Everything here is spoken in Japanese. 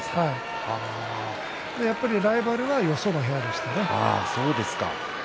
やっぱりライバルはよその部屋の人ですね。